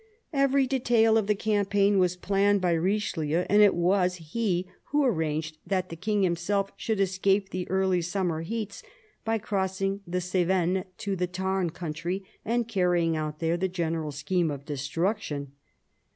Every detail of the campaign was planned by Richelieu, and it was he who arranged that the King himself should escape the early summer heats by crossing the Cevennes to the Tarn country and carrying out there the general scheme of destruction.